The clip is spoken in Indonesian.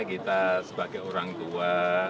kita sebagai orang tua